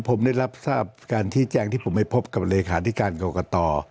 ผมได้รับทราบการชี้แจงที่ผมไปพบกับเลขาธิการกรกต